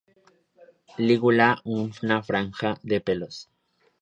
Lígula una franja de pelos.